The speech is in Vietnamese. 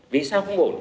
vì sao không ổn